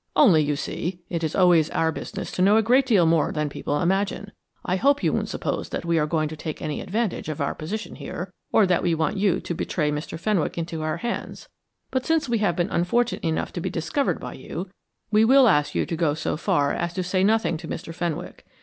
"Only, you see, it is always our business to know a great deal more than people imagine. I hope you won't suppose that we are going to take any advantage of our position here, or that we want you to betray Mr. Fenwick into our hands; but since we have been unfortunate enough to be discovered by you, we will ask you to go so far as to say nothing to Mr. Fenwick.